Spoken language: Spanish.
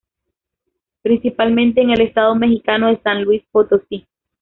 Principalmente en el estado mexicano de San Luis Potosí.